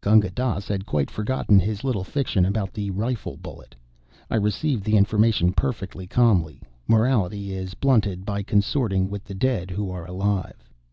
Gunga Dass had quite forgotten his little fiction about the rifle bullet. I received the information perfectly calmly. Morality is blunted by consorting with the Dead who are alive.